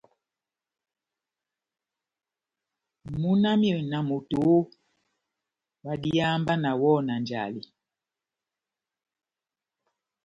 Múna wami na moto oooh, ohádiháha mba nawɔhɔ na njale !